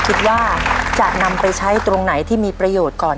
คิดว่าจะนำไปใช้ตรงไหนที่มีประโยชน์ก่อน